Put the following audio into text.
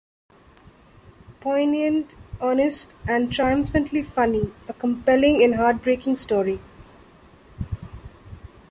Poignant, honest and triumphantly funny... A compelling and heartbreaking story.